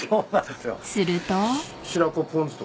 ［すると］